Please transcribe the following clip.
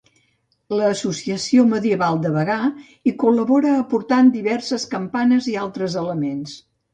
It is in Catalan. L'Associació Medieval de Bagà hi col·labora aportant diverses campanes i altres elements.